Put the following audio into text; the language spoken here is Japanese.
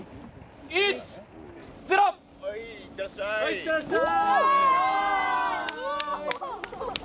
いってらっしゃい！